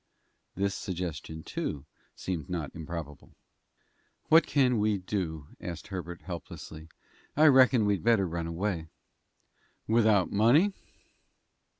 This suggestion, too, seemed not improbable. "What can we do?" asked Herbert, helplessly. "I reckon we'd better run away." "Without money?"